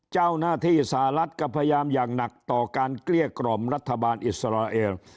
เจ้าหน้าที่สหรัฐก็พยายามอย่างหนักต่อการเกลี้ยกล่อมรัฐบาลอิสราเอล